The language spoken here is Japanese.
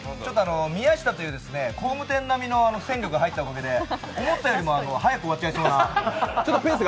宮下という工務店並みの戦力が入ったおかげで思ったよりも早く終わっちゃいそうな。